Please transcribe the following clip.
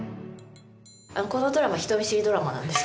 このドラマ人見知りドラマなんですね。